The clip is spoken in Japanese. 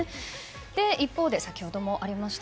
一方で先ほどもありました